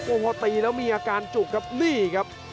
โอ้โหพอตีแล้วมีอาการจุกครับนี่ครับ